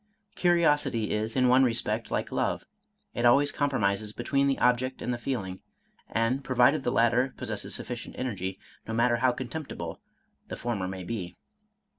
Curiosity is in one respect like love, it always compromises between the object and the feeling; and pro vided the latter possesses sufficient energy, no matter how contemptible the former may be.